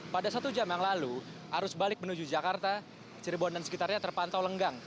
pada satu jam yang lalu arus balik menuju jakarta cirebon dan sekitarnya terpantau lenggang